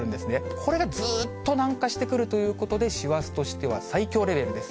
これがずっと南下してくるということで、師走としては最強レベルです。